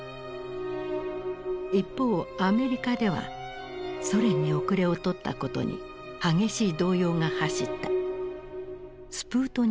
一方アメリカではソ連に後れを取ったことに激しい動揺が走った。